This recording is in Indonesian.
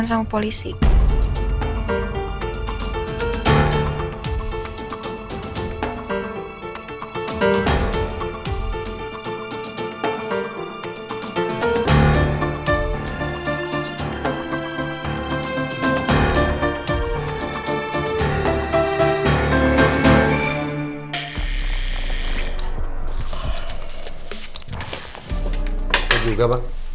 terima kasih bang